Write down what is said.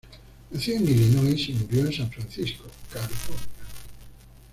Nació en Illinois y murió en San Francisco, California.